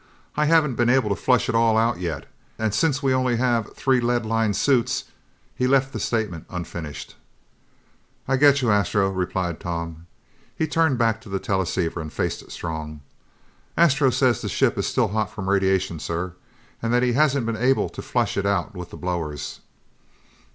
I haven't been able to flush it all out yet. And since we only have three lead lined suits...." He left the statement unfinished. "I get you, Astro," replied Tom. He turned back to the teleceiver and faced Strong. "Astro says the ship is still hot from radiation, sir. And that he hasn't been able to flush it out with the blowers."